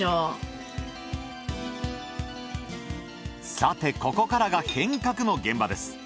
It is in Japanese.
さてここからが変革の現場です。